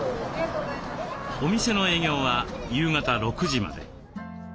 お店の営業は夕方６時まで。